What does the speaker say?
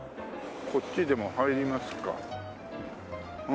こっちでも入りますか。